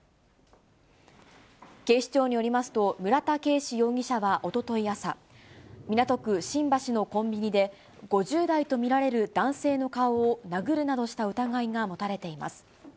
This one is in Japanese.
警視庁によりますと、村田圭司容疑者はおととい朝、港区新橋のコンビニで、５０代と見られる男性の顔を殴るなどした疑いが持たれています。